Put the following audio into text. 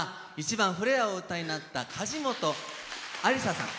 １番「フレア」をお歌いになったかじもとさん。